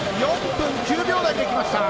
４分９秒台できました。